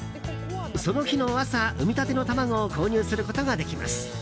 その日の朝、産みたての卵を購入することができます。